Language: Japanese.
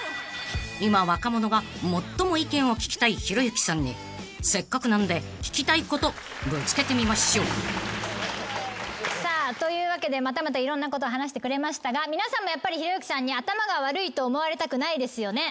［今若者が最も意見を聞きたいひろゆきさんにせっかくなので聞きたいことぶつけてみましょう］というわけでいろんなこと話してくれましたが皆さんもひろゆきさんに頭が悪いと思われたくないですよね？